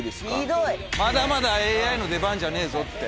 まだまだＡＩの出番じゃねえぞって。